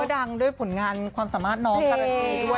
ดังด้วยผลงานความสามารถน้องการันตีด้วย